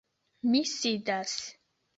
Mi sidas.